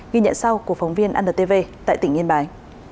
ghi nhận sau của phóng viên antv tại tỉnh yên bái